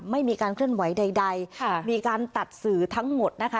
ไม่มีการเคลื่อนไหวใดค่ะมีการตัดสื่อทั้งหมดนะคะ